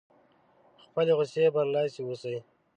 په خپلې غوسې برلاسی اوسي.